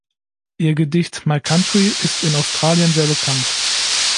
Ihr Gedicht "My Country" ist in Australien sehr bekannt.